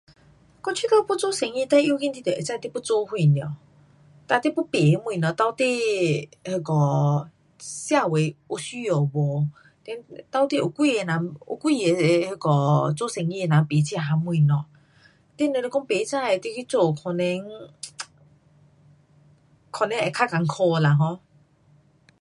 我 [unintelligible] 做生意最重要的是你做什么你要卖东西到底有多少人多少商人买这个东西如果你不知道你可能可能会更困难